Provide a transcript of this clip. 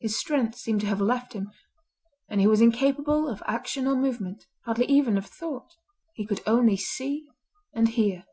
His strength seemed to have left him, and he was incapable of action or movement, hardly even of thought. He could only see and hear.